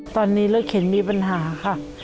ตอนนี้รถเข็นมีปัญหาค่ะ